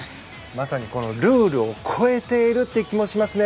まさにルールを超えているという気がしますね。